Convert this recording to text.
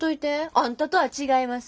あんたとは違います。